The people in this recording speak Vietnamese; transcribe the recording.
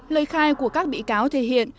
lời khai của các bị cáo thể hiện